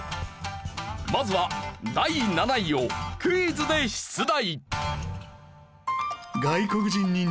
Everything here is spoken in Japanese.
まずは第７位をクイズで出題。